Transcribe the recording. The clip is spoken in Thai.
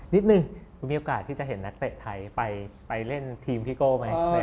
นิดนึงคุณมีโอกาสที่จะเห็นนักเตะไทยไปเล่นทีมพี่โก้ไหม